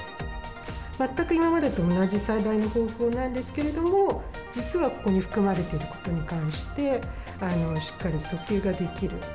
全く今までと同じ栽培の方法なんですけれども、実はここに含まれていることに関して、しっかり訴求ができる。